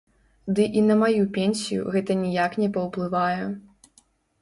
Ды і на маю пенсію гэта ніяк не паўплывае.